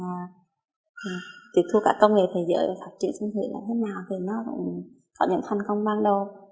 và tuyệt thu cả công nghệ thế giới phát triển sinh thủy là thế nào thì nó cũng có những thành công ban đầu